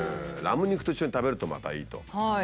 ラム肉と一緒に食べるとまたいいと。